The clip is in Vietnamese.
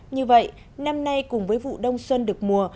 như vậy năm nay cùng với vụ đông xuân được mùa